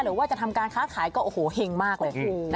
หรือว่าจะทำการค้าขายก็โอ้โหเห็งมากเลย